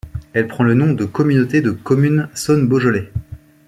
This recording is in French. Elle prend le nom de communauté de communes Saône Beaujolais.